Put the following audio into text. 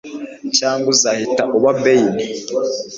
cyangwa uzahita uba bein